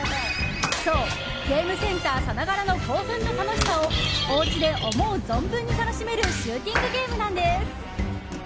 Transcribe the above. そう、ゲームセンターさながらの興奮と楽しさをおうちで思う存分に楽しめるシューティングゲームなんです。